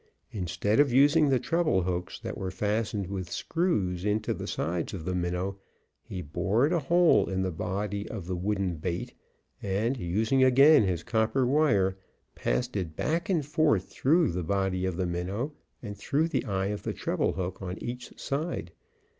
Instead of using the treble hooks that were fastened with screws into the sides of the minnow, he bored a hole in the body of the wooden bait, and using again his copper wire, passed it back and forth through the body of the minnow and through the eye of the treble hook on each side.